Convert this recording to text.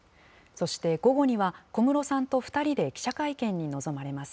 そして午後には、小室さんと２人で記者会見に臨まれます。